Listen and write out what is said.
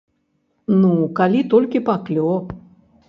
Ну, калі толькі паклёп.